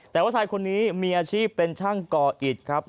แต่ว่าชายคนนี้มีอาชีพเป็นช่างก่ออิดครับ